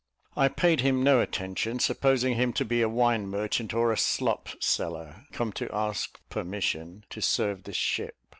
I paid him no attention, supposing him to be a wine merchant, or a slop seller, come to ask permission to serve the ship.